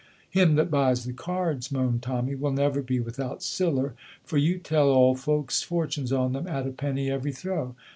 "Him that buys the cards," moaned Tommy, "will never be without siller, for you tell auld folks fortunes on them at a penny every throw.